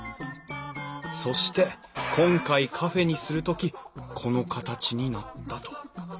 そして今回カフェにする時この形になったと。